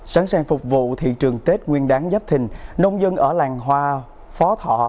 sẵn sàng phục vụ thị trường tết nguyên đáng giáp thình nông dân ở làng hoa phó thọ